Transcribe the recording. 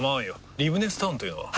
リブネスタウンというのは？